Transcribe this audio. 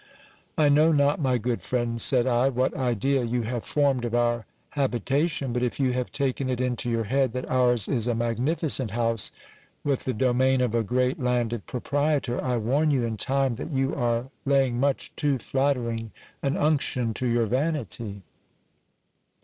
I know not, my good friend, said I, what idea you have formed of our habit ation ; but if you have taken it into your head that ours is a magnificent house, with the domain of a great landed proprietor, I warn you in time that you are laying much too flattering an unction to your vanity.